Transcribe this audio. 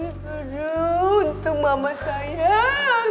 aduh untuk mama sayang